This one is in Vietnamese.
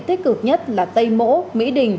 tích cực nhất là tây mỗ mỹ đình